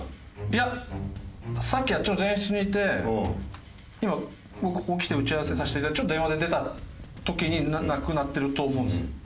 いやさっきあっちの前室にいて今僕ここ来て打ち合わせさせていただいてちょっと電話で出た時になくなってると思うんですよ。